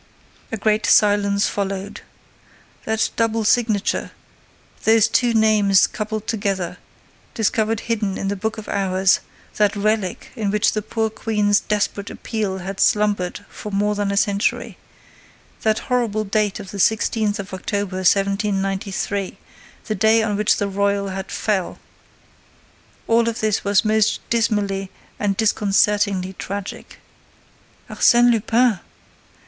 A great silence followed. That double signature: those two names coupled together, discovered hidden in the book of hours; that relic in which the poor queen's desperate appeal had slumbered for more than a century: that horrible date of the 16th of October, 1793, the day on which the Royal head fell: all of this was most dismally and disconcertingly tragic. "Arsène Lupin!"